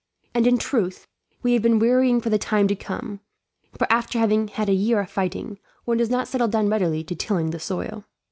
And in truth, we have been wearying for the time to come; for after having had a year of fighting, one does not settle down readily to tilling the soil.